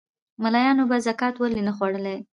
مُلایانو به زکات ولي خوړلای